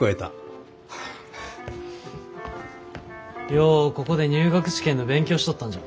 ようここで入学試験の勉強しとったんじゃ。